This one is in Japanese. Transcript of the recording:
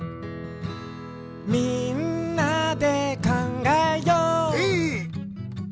「みんなでかんがえよう」エー！